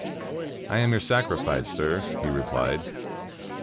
"I am your sacrifice, sir," he replied.